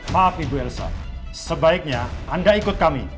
maaf ibu elsa sebaiknya anda ikut kami